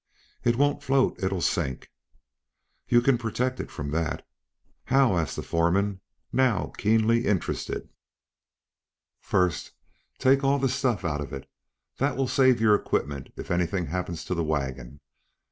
"It won't float. It'll sink." "You can protect it from that." "How?" asked the foreman, now keenly interested. "First take all the stuff out of it. That will save your equipment if anything happens to the wagon.